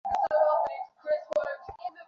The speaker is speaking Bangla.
শেভ করতে হবে আমাদের?